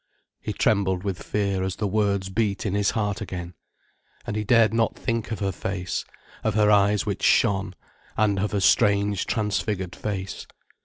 He trembled with fear as the words beat in his heart again. And he dared not think of her face, of her eyes which shone, and of her strange, transfigured face.